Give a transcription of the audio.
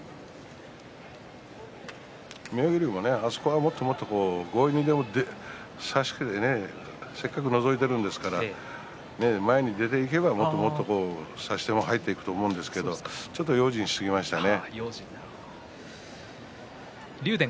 妙義龍は強引に差してせっかくのぞいているんですから前に出ていけば、もっと差し手も入っていくと思うんですが、ちょっと用心しすぎましたね。